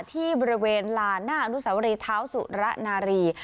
ที่บริเวณลานหน้าอนุสาวรีเท้าสุระนารี